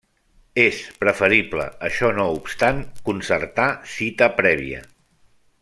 És preferible, això no obstant, concertar cita prèvia.